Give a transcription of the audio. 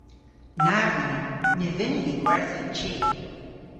Na vynnyn. Ny vynnyn ni gwertha an chi.